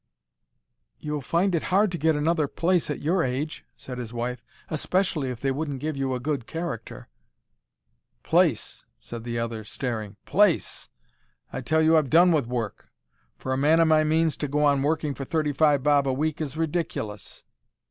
"You'd find it hard to get another place at your age," said his wife; "especially if they wouldn't give you a good character." "Place!" said the other, staring. "Place! I tell you I've done with work. For a man o' my means to go on working for thirty five bob a week is ridiculous."